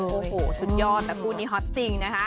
โอ้โหสุดยอดแต่คู่นี้ฮอตจริงนะคะ